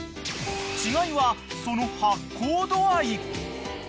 ［違いはその発酵度合い］